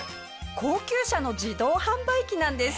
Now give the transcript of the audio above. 高級車の自動販売機なんです。